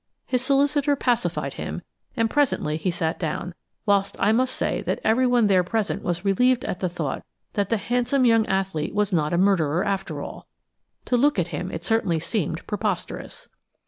His solicitor pacified him, and presently he sat down, whilst I must say that everyone there present was relieved at the thought that the handsome young athlete was not a murderer, after all. To look at him it certainly seemed preposterous.